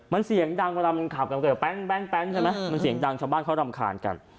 มันเสียงดังเวลามันขับกันก็จะแป๊งใช่ไหมมันเสียงดังชาวบ้านเขารำคาญกัน